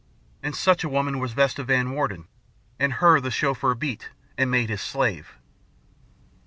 And such a woman was Vesta Van Warden. And her the Chauffeur beat and made his slave.